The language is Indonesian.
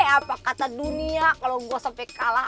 apa kata dunia kalau gue sampai kalah